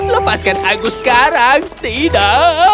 lepaskan aku sekarang tidak